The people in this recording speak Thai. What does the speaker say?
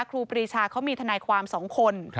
ครูปรีชาเขามีทนายความ๒คน